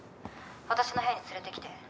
「私の部屋に連れてきて」